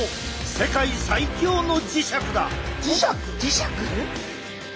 世界最強の磁石だ！磁石？磁石？